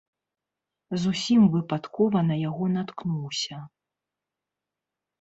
Зусім выпадкова на яго наткнуўся.